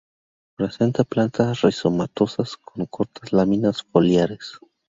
Presenta plantas rizomatosas, con cortas láminas foliares.